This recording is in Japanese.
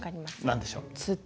何でしょう？